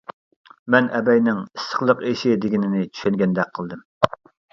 مەن ئەبەينىڭ «ئىسسىقلىق ئېشى» دېگىنىنى چۈشەنگەندەك قىلدىم.